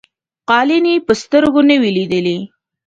قالیني په سترګو نه وې لیدلي.